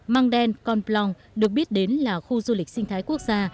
mang đen con plong được biết đến là khu du lịch sinh thái quốc gia